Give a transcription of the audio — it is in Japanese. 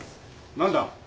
何だ？